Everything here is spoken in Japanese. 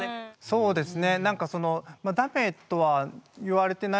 そうですね